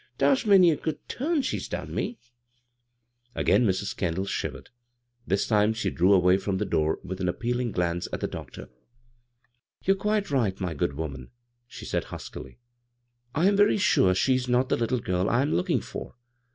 Thar's many a good turn she's done me I " Agam Mrs. Kendall shivered. This time she drew away towards the door with an appealing glance at the doctor. "You're quite right, my good woman," ^e said huskily. " I am very sure she is not the tittle girl I am looking for.